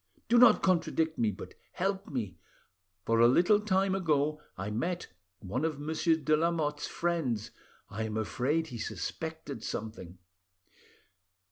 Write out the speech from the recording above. Do not contradict me, but help me; for a little time ago I met one of Monsieur de Lamotte's friends, I am afraid he suspected something.